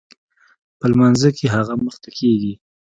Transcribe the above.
په لمانځه کښې هغه مخته کېږي.